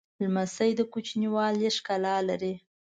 لمسی د کوچنیوالي ښکلا لري.